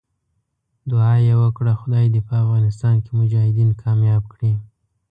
دعا یې وکړه خدای دې په افغانستان کې مجاهدین کامیاب کړي.